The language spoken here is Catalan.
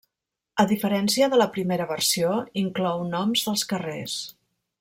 A diferència de la primera versió, inclou noms dels carrers.